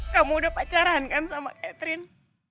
kamu udah pacaran kan sama catherine